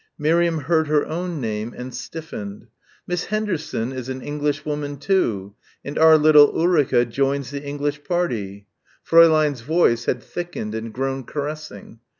Miriam heard her own name and stiffened. "Miss Henderson is an Englishwoman too and our little Ulrica joins the English party." Fräulein's voice had thickened and grown caressing.